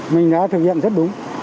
mình đã thực hiện rất đúng